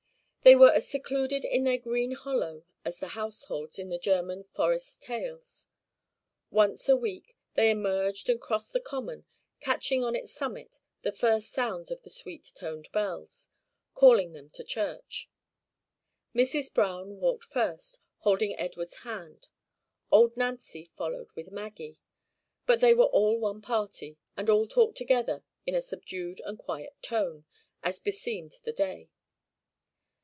They were as secluded in their green hollow as the households in the German forest tales. Once a week they emerged and crossed the common, catching on its summit the first sounds of the sweet toned bells, calling them to church. Mrs. Browne walked first, holding Edward's hand. Old Nancy followed with Maggie; but they were all one party, and all talked together in a subdued and quiet tone, as beseemed the day.